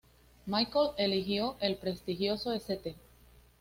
Michael eligió el prestigioso St.